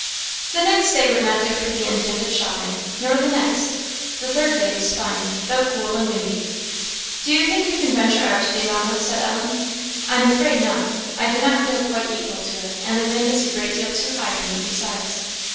The next day would not do for the intended shopping, nor the next. The third day was fine, though cool and windy. "Do you think you can venture out to day, Mamma?" said Ellen. "I am afraid not. I do not feel quite equal to it, and the wind is a great deal too high for me, besides."